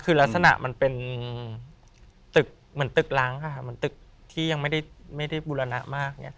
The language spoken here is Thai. คือลักษณะมันเป็นตึกเหมือนตึกล้างค่ะเหมือนตึกที่ยังไม่ได้บุรณะมาก